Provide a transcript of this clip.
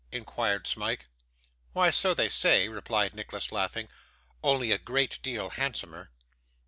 inquired Smike. 'Why, so they say,' replied Nicholas, laughing, 'only a great deal handsomer.